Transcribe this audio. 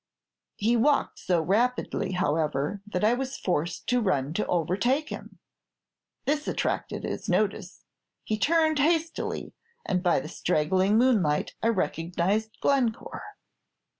He walked so rapidly, however, that I was forced to run to overtake him. This attracted his notice; he turned hastily, and by the straggling moonlight I recognized Glencore.